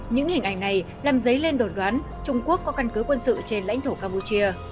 những hình ảnh này làm dấy lên đồn đoán trung quốc có căn cứ quân sự trên lãnh thổ campuchia